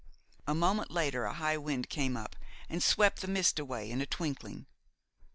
A moment later a high wind came up and swept the mist away in a twinkling.